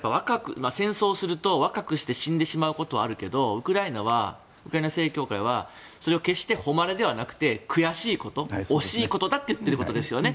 戦争をすると若くして死んでしまうことはあるけどウクライナ正教会はそれを決して誉れではなくて悔しいこと惜しいことだって言っているっていうことですよね。